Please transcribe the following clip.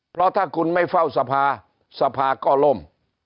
เพราะถ้าคุณไม่เฝ้าสภาสภาก็ล่ม